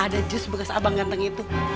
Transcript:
ada jus bekas abang ganteng itu